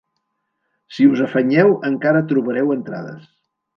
Si us afanyeu encara trobareu entrades.